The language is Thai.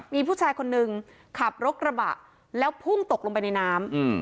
มีผู้ชายคนนึงขับรถกระบะแล้วพุ่งตกลงไปในน้ำ